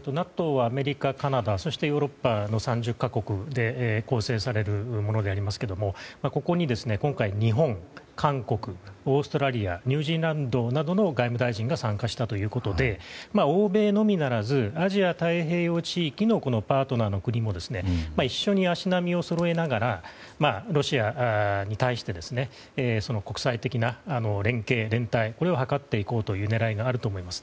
ＮＡＴＯはアメリカ、カナダヨーロッパの３０か国で構成されるものでありますがここに今回、日本、韓国オーストラリアニュージーランドなどの外務大臣が参加したということで欧米のみならずアジア太平洋地域のパートナーの国も一緒に足並みをそろえながらロシアに対して国際的な連携、連帯を図っていこうという狙いがあると思います。